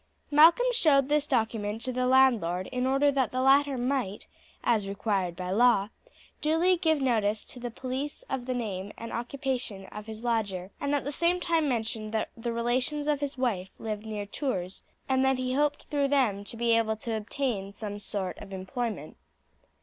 Malcolm showed this document to his landlord in order that the latter might, as required by law, duly give notice to the police of the name and occupation of his lodger, and at the same time mentioned that the relations of his wife lived near Tours, and that he hoped through them to be able to obtain some sort of employment.